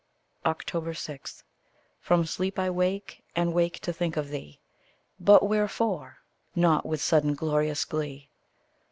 6. From sleep I wake, and wake to think of thee. But wherefore not with sudden glorious glee?